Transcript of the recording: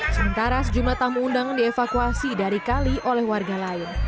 sementara sejumlah tamu undangan dievakuasi dari kali oleh warga lain